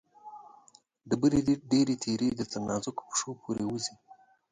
کاڼې تېره دي، تر نازکو پښومې پورې وځي